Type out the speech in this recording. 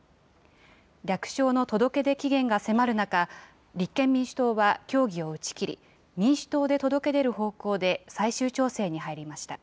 略称の届け出期限が迫る中、立憲民主党は協議を打ち切り、民主党で届け出る方向で最終調整に入りました。